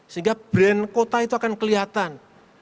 sehingga brand kota itu akan kelihatan